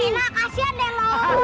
enak kasian deh lo